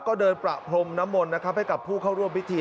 ก็เดินประพรมน้ำมนให้กับผู้เข้าร่วมพิธี